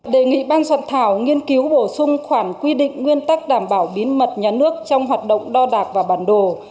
đề nghị ban soạn thảo nghiên cứu bổ sung khoản quy định nguyên tắc đảm bảo bí mật nhà nước trong hoạt động đo đạc và bản đồ